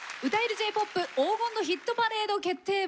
Ｊ−ＰＯＰ黄金のヒットパレード決定版！」。